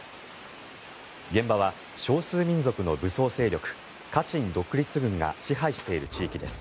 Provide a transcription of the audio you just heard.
現場は少数民族の武装勢力カチン独立軍が支配している地域です。